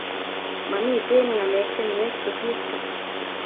Mamiten ngalek che miach kosiir chu